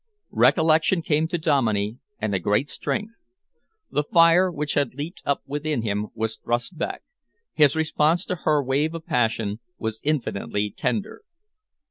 Recollection came to Dominey, and a great strength. The fire which had leaped up within him was thrust back. His response to her wave of passion was infinitely tender.